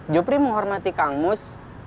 jopri menghormati kangus